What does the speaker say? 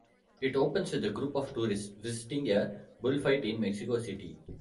It opens with a group of tourists visiting a bullfight in Mexico City.